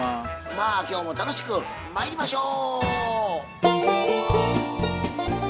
まあ今日も楽しくまいりましょう！